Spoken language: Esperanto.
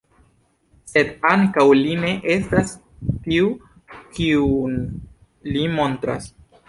Sed ankaŭ li ne estas tiu, kiun li montras.